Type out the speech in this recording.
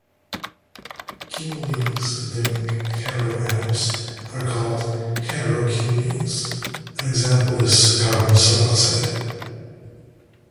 Cumulenes containing heteroatoms are called heterocumulenes; an example is carbon suboxide.